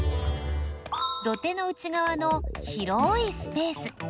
土手の内がわの広いスペース。